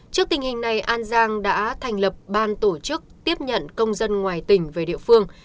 trước tình hình này an giang đã thành lập ban tổ chức tiếp nhận công dân ngoài tỉnh về địa phương